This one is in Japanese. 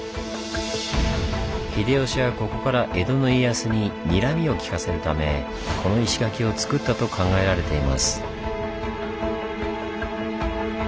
秀吉はここから江戸の家康ににらみを利かせるためこの石垣をつくったと考えられています。